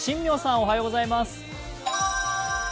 おはようございます